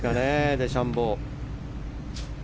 デシャンボー。